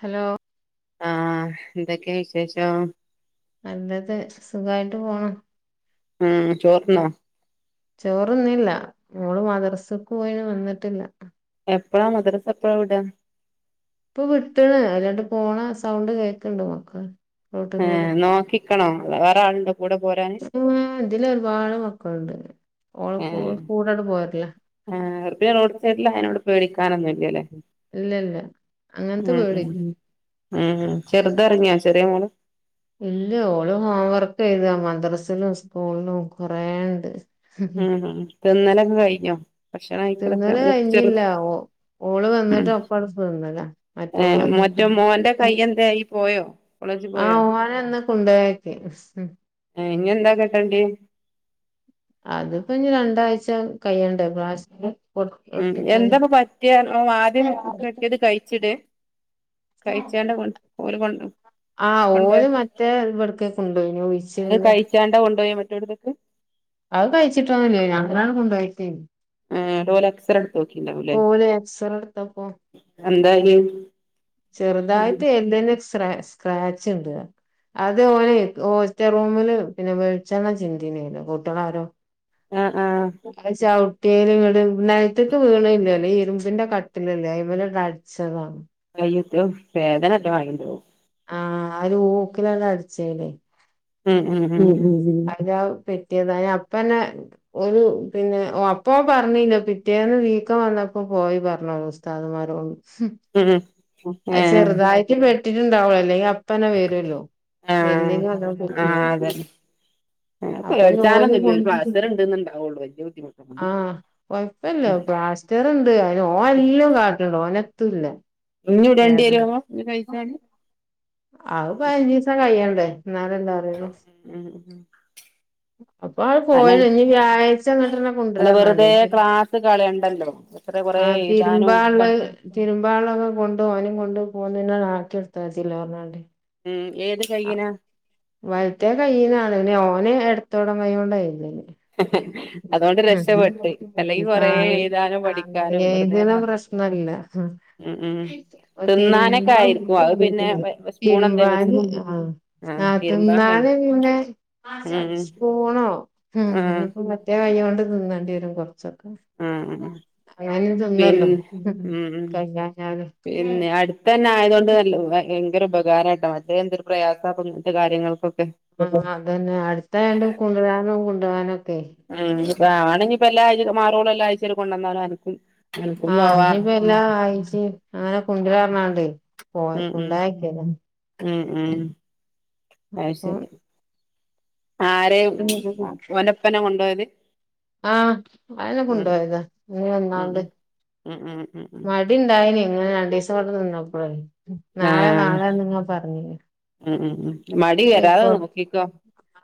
Hello ആ എന്തൊക്കെയ വിശേഷം നല്ലത് സുഖായിട്ട് പോണു ഉം ചോർന്നോ ചോറന്നില്ല മോള് മദർസക്ക് പോയി വന്നിട്ടില്ല എപ്പഴാ മദ്രസ എപ്പഴാവിട ഇപ്പൊ വിട്ടണ് ഓല്ങ്ങോട്ട് പോണ സൗണ്ട് കേക്കണ്ട് മ്മെക് ഏഹ് നോക്കിക്കണോ അതോ വേറെ ആൾണ്ടോ ആ ഇതില് ഒരുപാട് മക്കളുണ്ട് ഓള് പോ കൂടട് പോരല്ല ഏ റോഡ് സൈഡിൽ ആയോണ്ട് പേടിക്കാനൊന്നുംല്ല ഇല്ല ഇല്ല അങ്ങനത്തെ ഉം പേടി ഉം ഉം ചെർത് ഒറങ്ങ്യോ ചെറിയ മോള് ഇല്ല ഓള് ഹോം വർക്ക് ചെയ്ത മദ്രസിലും സ്കൂളിലും കൊറേുണ്ട് ഉം ഹും തിന്നലൊക്കെ കയ്ഞ്ഞോ ഭക്ഷണം കയിക്കലൊക്കെ തിന്നല് ഉം കഴിഞ്ഞില്ല ചെറ്ത് ഓ ഓള് ഉം വന്നിട്ട് ഒപ്പടുത്ത് തിന്നല മറ്റോള് ഏഹ് വന്നിട്ട് മാെറ്റേ മോന്റെ കയ്യെന്തേ ആയ് പോയോ കോളേജ് പോയോ ആഹ് ഓനെന്ന് കൊണ്ടോയാക്കി ഉം ഹും ആഹ് ഇഞ്ഞെന്നാ കെട്ടെണ്ട്യെ അത്പ്പഞ്ഞ് രണ്ടായ്ച്ച കയ്യണ്ടേ പ്ലാസ്റ്റ്റ് ഉം എന്താപ്പ പറ്റ്യേ ഓൻ ആദ്യം കെട്ട്യെത് കയ്ച്ച്ടെ കയ്ച്ചാണ്ട് ഓൽ ഓല് കൊണ്ടാേവും ആഹ് ഓല് മറ്റേ വട്ക്കേ കൊണ്ടോയ്ന്യെ ഉയ്ച്ച്ൽന്റെ എട്തെക്ക് അത് കയ്ച്ചിട്ടൊന്നുല്ലേനി അങ്ങനാണ് കുണ്ടോയെക്കേനി ഏഹ് ട്ടോലെക്സറെ ട്ത്താേക്കീണ്ടാവുംലേ ഓല് എക്സറേ എടുത്തപ്പോ എന്താല് ചെർതായ്ട്ട് എല്ല്ന് സ്റേ സ്ക്രാച്ച്ണ്ട് അ അത് ഓനെ ഹോസ്റ്റേ റൂമില് പിന്നെ വെളിച്ചെണ്ണ ചിന്തിനിലോ കൂട്ടികള് ആരോ- ആഹ് ആഹ് ഈമ് [unintelligible] വ്ടെ നെലത്തേക്ക് വീണില്ല ഇല്ലേ ഇരുമ്പിന്റെ കട്ടിലല്ലേ അതിമേലേടിച്ചതാണ് അയ്യോ [unintelligible] വേദനനോക്കെ ആയിണ്ടാകും ആഹ ആ ഒരു ഊക്കിലല്ലേ അടിച്ചേനെ ഉം ഉം അതാ [unintelligible] പിറ്റേന്നാ അപ്പന്നെ ഒരു പിന്നെ ഓ അപ്പ പറഞ്ഞില്ല പിറ്റേന്ന് വീക്കം വന്ന- അപ്പൊ പോയി പറഞ്ഞതാ ഉസ്താദ്മാരോട് ഉം [unintelligible] ഏ അത് ചെറുതായിട്ട് വെട്ടിട്ടുണ്ടാവും അല്ലെങ്കി അ- അപ്പത്തതന്നെ വരുല്ലോ ആ എല്ലിന് ഒന്നും ആ പറ്റില്ലെങ്കി അതന്നെ അപ്പൊ ഇന്ന് ഓല് പേടിച്ചാനൊന്നുല്ല കൊ ഒരു പ്ലാസ്റ്റർ [unintelligible] ണ്ട് ഇണ്ട്ന്ന്ണ്ടാവൊള്ളൂ വല്യ ആ ബുദ്ധിമുട്ടൊന്നുണ്ടാവൂല കൊഴപ്പില്ല ഉം പാസ്റ്റർ ഇണ്ട് അയിന് ഓൻ എല്ലാം കാട്ടണ്ട്ണ് ഓന് എത്തുല്ല ഇഞ്ഞു ഇടേണ്ടിവരോ ഇത് കഴിച്ചാല് അത് പതിനഞ്ച് ദിവസം കഴിയേണ്ടെ എന്നാലല്ലേ അറിയൂ ഉം ഉം അപ്പൊ ആള് അല്ല പോയോ ഇനി വ്യാഴ്ച്ചാ അ [unintelligible] ന്ന അല്ല കൊണ്ടരാൻ വെറുതെ മെണ്ടിരിക്കും ക്ലാസ് കളയണ്ടല്ലോ എത്ര കൊറേ ആ എഴുതാനും ഒക്കെ തിരുമ്പാള്ളത് തിരുമ്പാള്ളത് കൊണ്ട് പോവാനും കൊണ്ട് പോകുന്ന [unintelligible] ത കിടുത്ത [unintelligible] സില്ല പറഞ്ഞാണ്ട് ഉം ഏത് ആ കയ്യിനാ വലത്തേ കൈന്നാണ് ഇനെ ഓനെ എട [unintelligible] ത്തോട വയ കൊണ്ടായിുന്നന് അതുകൊണ്ട് രക്ഷപ്പെട്ട് അല്ലെങ്കി ആ കൊറേ എഴുതാനും പഠിക്കാനും വെറുതെ എയ്ദനു കള പ്രശ്നവില്ല ആഹ് ഉം ഉം തി [unintelligible] തിന്നാനൊക്കെ രുമ്പ ആയിരിക്കും അത് പിന്നെ സ്പൂൺ എന്തേ വെച്ച് തിരുമ്പാന് ആഹ ആ തിരുമ്പാൻ തിന്നാല് കഴിയും പിന്നെ ഉം സ്പൂണോ ഉം ആ പിന്നെ ഇപ്പോ- മറ്റേ കൈകൊണ്ട് നിന്നേണ്ടി വരും കൊറ ചക് ആ അാന്ന് [unintelligible] നല്ലോ പിന്നെ ഉം ഉം കഴിയാഞ്ഞ പിന്നെ അടുത്തന്നെ ആയതൊണ്ട് [unintelligible] ഭയങ്കര ഉപകാരണ്ടാ [unintelligible] എന്തൊരു പ്രയാസ പ്പോ അങ്ങനത്തെ കാര്യങ്ങൾകൊക്കെ ആഹ് അതന്നെ അടുത്തായണ്ട് കുണ്ടരാനും കൊണ്ടവാനും ഉമ് ഇപ്പ ആണെങ്കിൽ ഇപ്പ എല്ലാ ആഴ മാറോള എല്ലാംഴച്ച കൊണ്ടന്നാലും അൻക് ആഹ് ഇനിപ്പ എല്ലാ ആഴ്ച്ചേ അങ്ങനെ കുണ്ട്ര പറഞ്ഞാണ്ടേ പോ [unintelligible] ഉമ് ഉമ് അയ് ശരി ആരെ ഒനപ്പനെ കൊണ്ടയത് ആഹ് അയനെ കൊണ്ടയതാ പോയി വന്നാണ്ട് ഉമ് ഉമ് ഇങ്ങനെ രണ്ട് സം വ്ടെ നിന്നപ്പളേ നാളെ നാളെന്ന് നിങ്ങ പറഞ്ഞിനി ഉമ് ഉമ് മടി വരാതെ നോക്കിക്കോ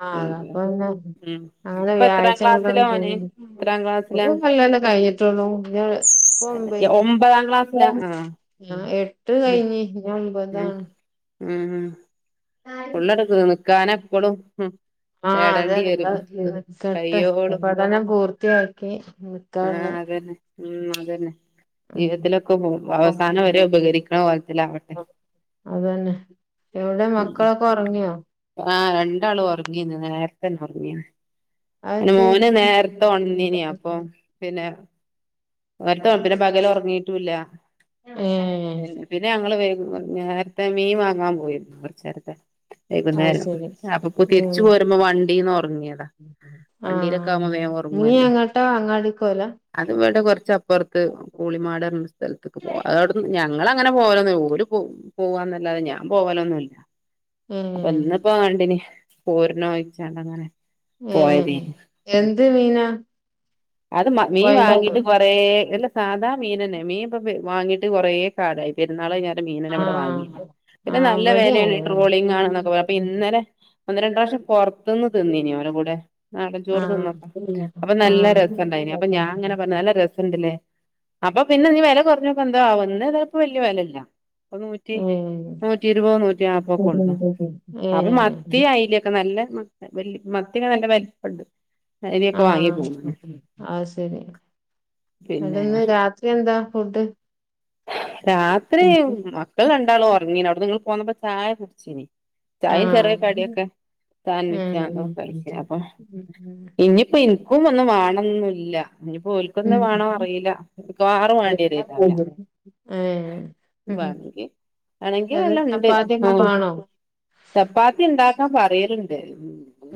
ആഹ് ഉം അതാ പ പിന്നെ ഉം അതെ ഇപ്പൊ എത്രാം വ്യാഴായ്ച [unintelligible] ക്ലാസ്സിലാ തോന്ന്ണ്ട് ഓന് എത്രാം ക്ലാസ്സിലാ ഒരു കൊല്ലല്ലെ കഴിഞ്ഞിട്ടുള്ളൂ ഇഞ്ഞ് ഇപ്പം ദുബൈല് ഒമ്പതാം ക്ലാസ്സിലാ ആഹ് ആ എട്ട് ഉം കഴിഞ്ഞു ഇത് ഒമ്പതാണ് ഉം പുള്ള എടുക്ക നിക്കാനെ എപ്പളും ഉം ആഹ് അതെ തേടേണ്ടി വരും നല്ലതില് നിക്കട്ടെ കയ്യോളും പഠനം പൂർത്തിയാക്കി നിക്കാള്ള ആഹ് അതന്നെ ഉം അതന്നെ ഉം ജീവിതത്തിലൊക്കെ അവസാനം വരെ ഉപകരിക്കണ കോലത്തിലാക്കട്ടെ അതന്നെ എവിടെ മക്കളൊക്കെ ഉറങ്ങിയോ ആഹ് രണ്ടാളും ഉറങ്ങീ ഇന്ന നേരത്തെ തന്നെ ഉറങ്ങീണ് പിന്നെ അതെത്തെ മോന് നേരത്തെ ഒൺന്നീനി അപ്പം പിന്നെ [unintelligible] പിന്നെ പകൽ ഉറങ്ങിട്ടുംല്ല ഏഹ് പി പിന്നെ ഞങ്ങള് വൈ നേരത്തെ മീൻ വാങ്ങാൻ പോയിരുന്നു കുറച്ച് നേരത്തെ അത് വൈകുന്നേരം ശരി അപ്പൊ തിരിച്ചു ഉം പോരുമ്പോ വണ്ടിന്ന് ഒറങ്ങിയതാ വണ്ടിയിലൊക്കെ ആവുമ്പോ ആഹ് വേം നീ ഒറങ്ങുവല്ലോ എങ്ങട്ടാ അങ്ങാടിക്ക് പോവല അത് ഇവിടെ കുറച്ച് അപ്പുറത്ത് കൂളിമാടന്ന ഒര് സ്ഥത്ത്ക്ക് പോക അതോടന്ന് ഞങ്ങൾ അങ്ങനെ പോവലൊന്നും ഓല് പോവും പോവാന്നല്ലാതെ ഞാൻ പോവലൊന്നുല്ല അപ്പൊ ഏഹ് ഇന്ന് പ്പോ കണ്ടിനി പോര്നോയിച്ചാണ്ട് അങ്ങനെ പോയതെ ഏഹ് എന്ത് മീനാ അത് മീൻ പൊഴമീനോ വാങ്ങിട്ട് കൊറേ ഇല്ല സാധാ മീൻന്നെ മീൻ ഇപ്പൊ വാങ്ങീട്ട് കൊറേ കാലായി പെരുന്നാള് കയിഞ്ഞാ രെ മീനന്നെ ഇവിടെ വാങ്ങിയില്ല ആഹ് പിന്നെ ആഹ് നല്ല ഇവിടേം വെലാണ് ട്രോളിങ്ങാണ് ന്നൊക്കെ പറഞ്ഞ് അപ്പൊ അങ്ങനെന്നെ ഇന്നലെ ഒന്ന് രണ്ട് പ്രാവശ്യം പൊറത്തുന്ന് തിന്നീനി ഓലെ കൂടെ നാടൻ ചോറ് തിന്നപ്പം അപ്പൊ ആഹ് നല്ല രസണ്ടായിനി അപ്പൊ ഞാൻ ആഹ് അങ്ങനെ പറഞ്ഞ് നല്ല രസണ്ട് ലേ അപ്പം പിന്നെ ഇഞ്ഞ് വെല കുറഞ്ഞോപ്പം എന്തോ ആവം ഇന്ന് എതാപ്പ വല്യ വെലല്ല അപ്പ നൂറ്റി ഏഹ് നൂറ്റി ഇരുപതോ നൂറ്റി നാപതോ ഒക്കെ ഉള്ളു അപ്പം മത്തി ഏഹ് അയില ഒക്കെ നല്ല മ വല് മത്തിയൊക്ക നല്ല വല്പ്ണ്ട് ആഹ് അത്ശരി പിന്നെ ഇന്നട്ട്ന്ന് രാത്രി എന്താ ഫുഡ് രാത്രി മക്കൾ രണ്ടാളും ഉറങ്ങീണ് അവിടെന്ന് ഞങ്ങള് പോന്നപ്പോ ചായ കുടിച്ചീനി ചായയും ചെറിയ ആഹ് ക്കടിയൊക്കെ ഏഹ് സാൻവിച്ചതൊക്കെ കഴിച്ച് അപ്പം ഇനിയിപ്പോ ഇൻക്കും ഒന്നും വേണന്നല്ല ഇനി പോൽക്കൊന്ന ഉം വേണോ അറീല് മിക്കവാറും വേണ്ടി വരീണ്ടാവൂല്ല ഏഹ് വേണെങ്കി വേണെങ്കിൽ അത് ല്ല ഇണ്ട് ചപ്പാത്തിയൊക്കെ ആഹ് വേണോ ചപ്പാത്തി ഇണ്ടാക്കാ പറയല്ണ്ട്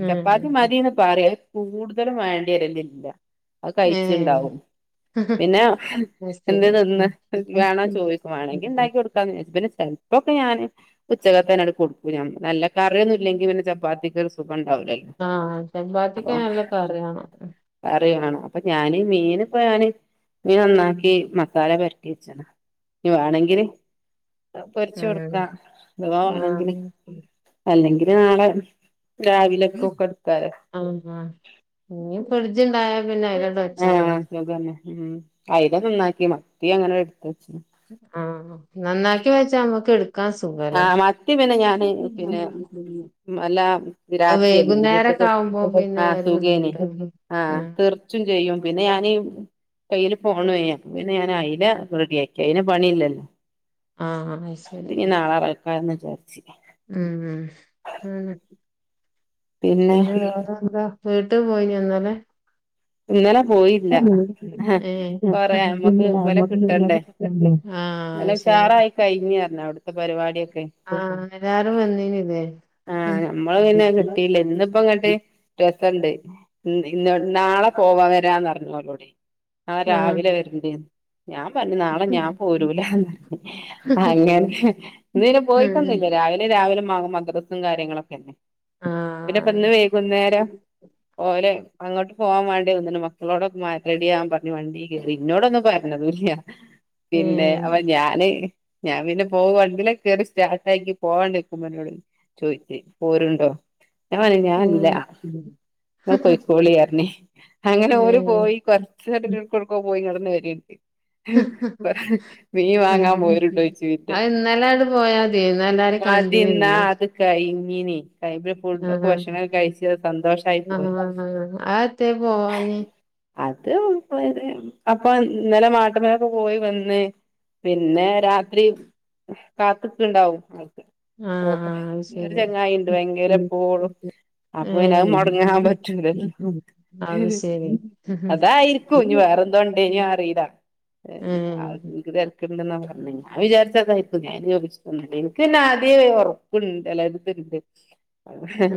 ഏഹ് ചപ്പാത്തി മതിന്ന് പറയാ കൂടുതലും വേണ്ടി വരല് ഇല്ല ഏഹ് അത്കഴിച്ച്ണ്ടാവും പിന്നെ അത് എന്തേ ശരി തിന്ന് വേണോ ചോദിക്കും വേണങ്കിൽ ഇണ്ടാക്കി കൊടുക്കാന്ന് വിചാരിച്ച് ചെൽപ്പൊക്കെ ഞാന് ഉച്ചകത്തന്നാണ്ട് കൊടുക്കും ഞാൻ നല്ല കറിയൊന്നും ഇല്ലെങ്കി പിന്നെ ചപ്പാത്തിക്കൊരു ക്കൊണ്ടാവൂല്ലല്ലോ ആഹ് അപ്പ ചപ്പാത്തിക്ക് നല്ല കറി വേണം കറി വേണം അപ്പൊ ഞാൻ മീൻ ഇപ്പ ഞാന് മീൻ നന്നാക്കി മസാല പെര ട്ട്യേച്ച്ണ് ഇനി വേണെങ്കില് പൊരിച്ച് കൊടുക്കാ ഉം അഥവാ വേണെങ്കില് അല്ലെങ്കി നാളെ രാവിലക്കൊക്കട് ആഹ് ഇഞ്ഞി ഫ്രിഡ്ജിണ്ടായ ആഹ് സുഖന്നെ ഉം അയില നന്നാക്കി മത്തി അങ്ങനെ എടുത്ത് വെച്ച്ണ് ആഹ് നന്നാക്കി വെച്ച നമ്മക്ക് എട് ആഹ് മത്തി പിന്നെ ഞാന് പിന്നെ അല്ല രാത്രിയല്ലേ വൈകുന്നേരൊക്കെ ഇന്നിപ്പ ആവുമ്പോ പിന്നെ ആഹ് ഒരു സുഖേനി ബുദ്ധിമുട്ടല്ലേ ആഹ് തെർച്ചും ചെയ്യും പിന്നെ ഞാനി കയ്യില് ഫോണുഏനി അപ്പ പിന്നെ ഞാൻ അയില റെഡിയാക്കി അയിന് പണിയില്ലല്ലോ ആഹ് അഹ് ശരി പിന്നെ [unintelligible] വിചാരിച്ച് ഇ ഇം [unintelligible] പിന്നെ വേറെ എന്താ പേ [unintelligible] പോയീന്യോ ഇന്നലെ ഇന്നല പോയില്ല ഏഹ് പറയാ നമ്മക്ക് ഇവലെ കിട്ടണ്ടേ ആഹ് അത് ശരി ഉശാറായി കഴിഞ് പറഞ്ഞ് അവിടത്തെ പരിപാട്യൊക്കെ ആ എല്ലാരും വന്നീനിലേ ആഹ് ഞമ്മള് പിന്നെ കിട്ടീല്ല ഇന്ന്പ്പങ്ങട്ട് രസണ്ട് ന്ന് ന്ന് നാളെ പോവാ വരാന്നറ്ഞ്ഞോലോടെ ആ ആഹ് രാവിലെ വര്ണ്ട്ന്ന് ഞാൻ പറഞ്ഞ് നാളെ ഞാൻ പോരൂലാന്ന് അങ്ങനെ ഇന്ന് പിന്നെ ഉം പോയിട്ടൊന്നുല്ല രാ അയ്ലെ രാവിലെ മ മദ്രസും കാര്യങ്ങളൊക്കെന്നെ ആഹ് പിന്നെപ്പിന്ന് വൈകുന്നേരം ഓലെ അങ്ങോട്ട് പോവാൻ വേ ണ്ടിന്ന്ണ് മക്കളോടൊക്കെ മാ റെഡ്യാവാന് പറഞ്ഞു വണ്ടി കേയറി ഇന്നോടൊന്നും പറഞ്ഞതൂല്ല പിന്നെ ഏഹ് അപ ഞാന് ഞാൻ പിന്നെ പോകവണ്ടിലക്ക കയറി സ്റ്റാർട്ടാക്കി പോവാൻ നിക്കുമ്പോ [unintelligible] ചോയ്ച്ച് പോരുണ്ടോ ഞാ പറഞ്ഞ് ഞാ വന്നില്ല ഉം ഇങ്ങൾ പൊയ്ക്കോളീ അറഞ്ഞ് അങ്ങനെ ഓര് പോയി ഏഹ് കൊറച്ചങ്ങട്ടൊട്ക്കോ പോയി ഇങ്ങാടന്നെ വര്ണ്ട് മീന് വാങ്ങാൻ പോര്ണ്ടോയ്ച്ച് പിന്നെ അത് ഇന്നലെങ്ങട് പോയാ മതി ഇന്നെല്ലാരിം കണ്ടീനില്ലേ ആ [unintelligible] ആ അതത്തെ പോവാഞ്ഞി അത് [unintelligible] അപ്പ ഇന്നല മാട്ട്മ്മലൊക്കെ പോയി വന്ന് പിന്നെ രാത്രി കാത്ത്ക്ക്ണ്ടാവും ആഹ് പോട്ടെ ആഹ് അത് ഒര് ശരി ചങ്ങായിണ്ട് ഭയങ്കര എപ്പോഴും അപ്പോ പിന്നെ അത് മൊട്ങ്ങാൻ ഏഹ് പറ്റൂലല്ലോ അത് ശരി അതായിരിക്കും ഞ്ഞി വേറെന്തോ ഉണ്ടേന്യോ അറീല ഏഹ് [unintelligible] തെരക്ക് ണ്ട്ന്നാ പറഞ്ഞത് ഞാൻ വിചാരിച്ചതായിരിക്കും ഞാൻ പിന്നെ ചോദിച്ചിട്ടൊന്നുല്ല എനിക്ക് പിന്നെ ആദ്യേ ഒർപ്പ് ഇണ്ട് അല്ലാതെ ഒരിത്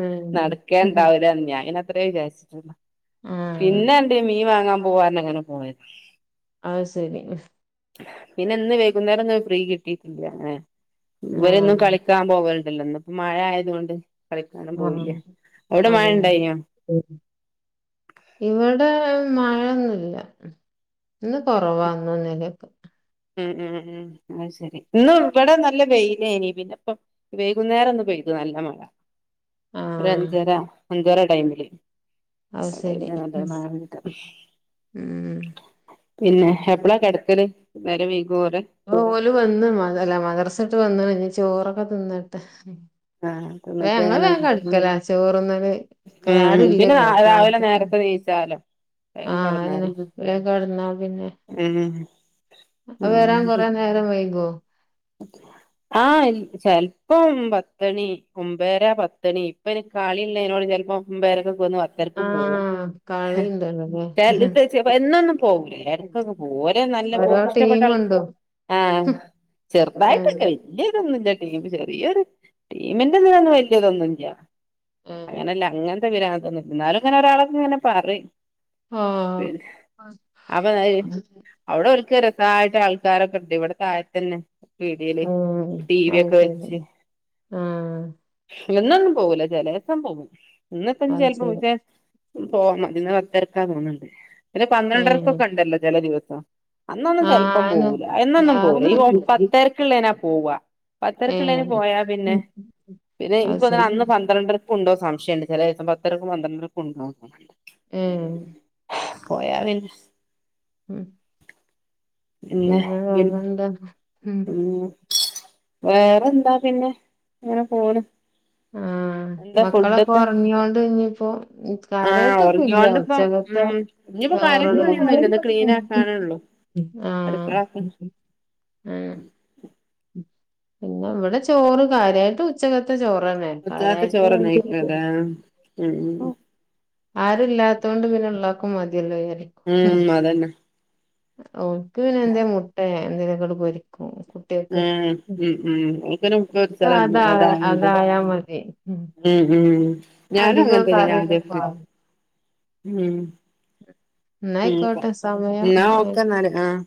ഏഹ് നടക്കേണ്ടാവിലാന്ന് ഞാൻ പിന്നെ അത്രേ വിചാരിച്ചിട്ടൊളളു ആഹ് പിന്നെണ്ട് മീൻ വാങ്ങാൻ പോവാറ്ഞ്ഞങ്ങനെ പോയത് അഹ്സെരി പിന്നെന്ന് വൈകുന്നേരൊന്നും ഫ്രീ കിട്ടീട്ടില്ലല്ലേ ഇവരെന്നും ആഹ് കളിക്കാൻ പോവൽ ല്ലെന്നപ്പോ മഴ ആയതുകൊണ്ട് കളിക്കാനും പോയില്ല ആഹ് അവ്ടെ മഴണ്ടായിന്യോ ഇവടെ മഴൊന്നുല്ല ഇന്ന് കൊറവാ ഇന്നും ഇന്നലെ ഒക്കെ മ് മ്മ് മ് അത്ശെരി ഇന്ന് ഇവടെ നല്ല വെയ്ലേനി പിന്നെപ്പം വൈകുന്നേരൊന്ന് പെയ്ത് നല്ല മഴ ഒരു ആഹ് അഞ്ചര അഞ്ചര ടൈമില് അത് ശരി ഉം ഉം. [unintelligible] പിന്നെ എപ്പളാ കെട്ക്കല് ന്നേരം വെഴ് ഓല് വന്ന് മ അല്ല മദ്രസട്ട് വന്ന്ണ് ഞ്ഞി ചോറൊക്കെ തിന്നട്ടെ ആഹ് വേം തിന്നിട്ട് ഞങ്ങൾ അങ്ങനെ വേം കട്ക്കലാ ചോറ്ന്നൽ ആരുല്ലല്ലോ കാത്ത്ക്കാൻ വിശാലം ആ തന്നെ വേം കെട്ന്നാ പിന്നെ ഉം അത് വെരാൻ ഉം കൊറേ നേരം വൈകോ [inaudible] ആഹ് ചെല്പ്പം പത്തണി ഒമ്പേര പത്തണി ഇപ്പയ്ന് കളിള്ളേനോട് ചെൽപ്പൊമ്പേരക്കൊക്കെ വന്ന് പത്തരക്ക് പോകും ആഹ് കളിണ്ടല്ലോല്ലേ [unintelligible] ച്ചപ്പോ എന്നൊന്നും പോവൂല എട്ക്കൊക്കെ പോകും ഓരെ നല്ല ഓരോ ബോധിഷ്ടപ്പെട്ട ആൾ ടീമ്ണ്ടോ ആ് ചെറുതായിട്ടൊക്കെ ഏഹ് വല്യൊരു തൊന്നുല്ല ടീം ചെറിയൊരു ടീമിന്റെതിലൊന്നും വല്യതൊന്നുല്ല ഏഹ് അങ്ങനെ അല്ല അങ്ങനത്തെ പിരാന്തൊന്നും എന്നാലും ഇങ്ങനെ ഒരാളൊക്കെ ഇങ്ങനെ പറയും ആഹ് പിന്നെ അപ്പൊ [unintelligible] അവിട ഒരിക്കല് തായിട്ട് ആൾക്കാരൊക്കെ ഒണ്ട് ഇവിട താഴതന്നെ പീടികേല് ഉം ടി വി അത് ഒക്കെ ശരി വെച്ച് ആഹ് എന്നൊന്നും പോകൂല ചെലേവസം പോവും പോവും ഇന്ന്‌പ്പം അത് ചെലപ്പോ ശരി പോയിറ്റ് പോന്ന് ഇന്ന് വൻ ത്തെരക്കാന്ന് തോന്നണുണ്ട് പിന്നെ ഏഹ് പന്ത്രണ്ടരക്കൊക്കെ ഒണ്ടല്ലോ ചെല ദിവസം അന്നൊന്നും ആഹ് ചെലപ്പം അയെന്നെ പോവൂല എന്നൊന്നും പോവൂല ഈ ഓ പ രാത്രി പത്തരക്കുള്ളേനാ പോവ പത്തേരക്കുള്ളേന് ഏഹ് പോയാ പിന്നെ പിന്നെ എനിക്ക് അത് തോന്നണ് ശരി അന്ന് പന്ത്രണ്ടരക്ക് ഒണ്ടോ സംശയ ഒണ്ട് ചെലേ ദിവസം പത്തരക്കും പന്ത്രണ്ടരക്കും ഉണ്ടാവും ഉണ്ടാവില്ല ഏഹ് പോയാ പിന്നെ ഉം പിന്നെ വേറെന്താ ഉം വേറെന്താ പിന്നെ ഇങ്ങനെ പോണ് ആഹ് എന്താ മക്കളൊക്ക ഫുഡൊക്കെ ഒറങ്ങിയോണ്ട് ഇനിപ്പോ ഉം ആഹ് കാരാട്ടൊന്നും ഇല്ലാ ഒറങ്ങിയോണ്ട് ഇപ്പം ഉച്ചക്കത്തെ ഉം ഇഞ്ഞിപ്പോ ചോറ് കാര്യായിട്ട് ഉൺ പണിയൊന്നുല്ല ഇത് ക്ലീൻ ആക്കാനൊള്ളു ആഹ് ആ അടുക്കളൊക്കെ പിന്നെ ഇവിടെ ചോറ് കാര്യായിട്ട് ഉച്ചക്കത്തെ ചോറ് പ്പവരണേ ഉച്ചക്കത്തെ ഭാരായിട്ട് ചോറന്നയ്ക്കാരം [unintelligible] ആഹ് ഉം ആരും ഇല്ലാത്തുകൊണ്ട് പിന്നെള്ള ക്കും മതിയല്ലേ ഉം മ്ഹും ഉം അതന്നെ ഓക്ക് പിന്നെ എന്തേ മുട്ട എന്തേല് കള് പൊരിക്കും കുട്ട്യേക്ക് ഉം ഉം ഉം ഉപ്പേന് മുട്ട പൊരിച്ച് തരാന്ന് അതാ അതായോണ്ട് അതായാ മതി ഉം ഉം ഞാനും അധികം അങ്ങനത്തന്ന്യാ ഞാ ആദ്യ കറിയൊന്നും ഒക്കെ വാ ഉം ന്നാ ഉം കാ അയ്ക്കോട്ടെ സമയം എന്നാ ആയി നോക്കന്ന ആള് ആഹ്